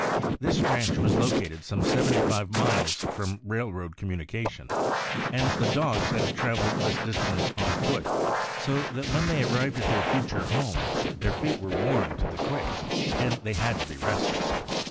This ranch was located some seventy five miles from railroad communication, and the dogs had to travel this distance on foot; so that when they arrived at their future home their feet were worn to the quick, and they had to be rested.